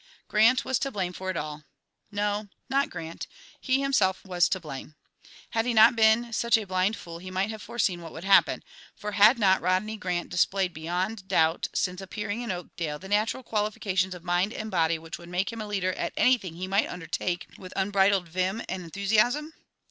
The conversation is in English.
Grant was to blame for it all. No, not Grant; he himself was to blame. Had he not been such a blind fool he might have foreseen what would happen, for had not Rodney Grant displayed beyond doubt since appearing in Oakdale the natural qualifications of mind and body which would make him a leader at anything he might undertake with unbridled vim and enthusiasm?